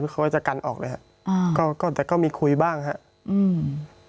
พี่เรื่องมันยังไงอะไรยังไง